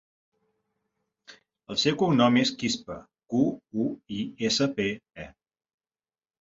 El seu cognom és Quispe: cu, u, i, essa, pe, e.